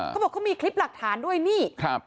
เขาบอกเขามีคลิปหลักฐานด้วยนี่ครับ